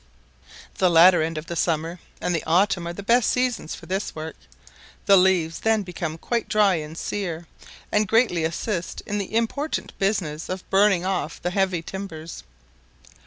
The latter end of the summer and the autumn are the best seasons for this work. The leaves then become quite dry and sear, and greatly assist in the important business of burning off the heavy timbers.